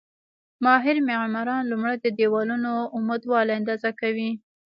ماهر معماران لومړی د دېوالونو عمودوالی اندازه کوي.